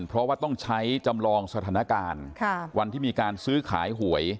เพราะว่าต้องใช้จำลองสถานการณ์วันที่มีการซื้อขายหวย